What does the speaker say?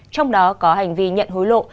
trong đó có hành vi nhận hối lộ